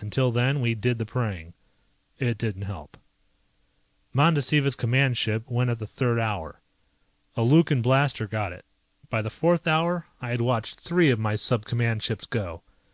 Until then we did the praying. It didn't help. Mandasiva's command ship went at the third hour. A Lukan blaster got it. By the fourth hour I had watched three of my sub command ships go.